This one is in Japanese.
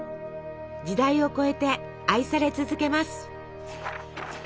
時代を超えて愛され続けます。